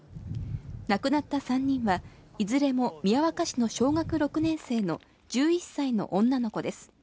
亡くなった３人は、いずれも宮若市の小学６年生の１１歳の女の子です。